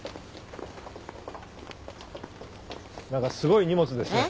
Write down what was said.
何かすごい荷物ですね。